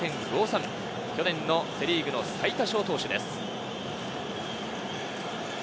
去年のセ・リーグの最多勝投手です。